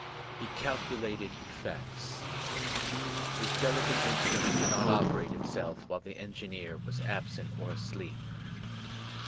He calculated eflFects. His deUcate instrument did not operate itself while the engineer was absent or asleep.